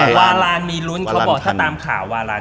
วารานมีลุ้นเขาบอกถ้าตามข่าววาลาน